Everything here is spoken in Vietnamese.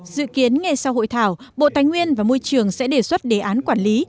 dự kiến ngay sau hội thảo bộ tài nguyên và môi trường sẽ đề xuất đề án quản lý